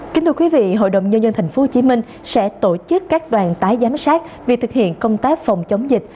kính thưa quý vị hội đồng nhân dân tp hcm sẽ tổ chức các đoàn tái giám sát việc thực hiện công tác phòng chống dịch